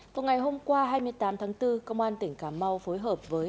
vào ngày hôm qua hai mươi tám tháng bốn công an tỉnh cà mau phối hợp với